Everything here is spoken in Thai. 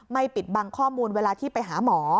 ปิดบังข้อมูลเวลาที่ไปหาหมอ